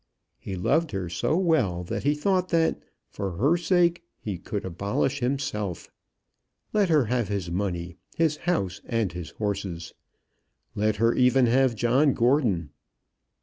He loved her so well that he thought that, for her sake, he could abolish himself. Let her have his money, his house, and his horses. Let her even have John Gordon.